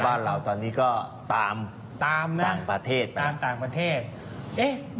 บ้านเหล่าตอนนี้ก็ตามต่างประเทศไป